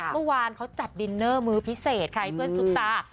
เมื่อวานเขาจัดดินเนอร์มื้อพิเศษค่ะให้เพื่อนซุปตา